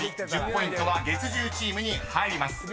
１０ポイントは月１０チームに入ります］